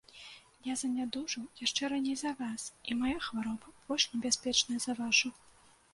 Я занядужаў яшчэ раней за вас, і мая хвароба больш небяспечная за вашу.